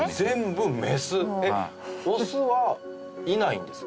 えっオスはいないんですか？